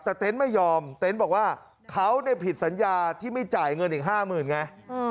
แต่เต็นต์ไม่ยอมเต็นต์บอกว่าเขาผิดสัญญาที่ไม่จ่ายเงินอีก๕๐๐๐ไง